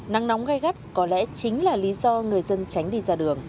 nắng nóng gai gắt có lẽ chính là lý do người dân tránh đi ra đường